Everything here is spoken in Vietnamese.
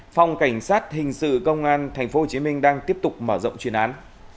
phòng cảnh sát hình sự công an tp hcm đang tiếp tục mở rộng chuyên án